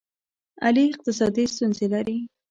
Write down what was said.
علي اقتصادي ستونزې لري.